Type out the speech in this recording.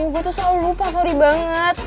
gue tuh selalu lupa sorry banget